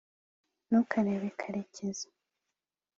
ntukarebe karekezi